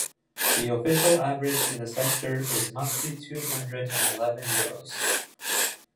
The official average in the sector is monthly two hundred and eleven Euros.